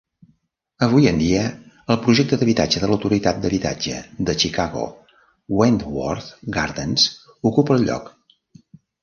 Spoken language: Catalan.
Avui en dia, el projecte d'habitatge de l'autoritat d'habitatge de Chicago Wentworth Gardens ocupa el lloc.